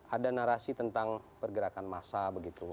ada narasi tentang pergerakan massa begitu